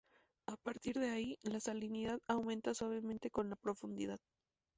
A partir de ahí, la salinidad aumenta suavemente con la profundidad.